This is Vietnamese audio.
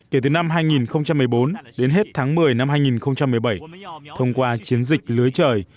kể từ năm hai nghìn một mươi bốn đến hết tháng một mươi năm hai nghìn một mươi bảy thông qua chiến dịch lưới trời